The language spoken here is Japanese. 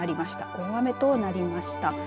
大雨となりました。